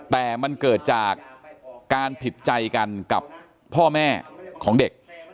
แต่มันเกิดจากการผิดใจกันกับพ่อแม่ของเด็ก